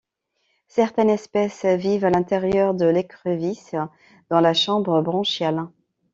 Certaines espèces vivent à l'intérieur de l'écrevisse, dans la chambre branchiale.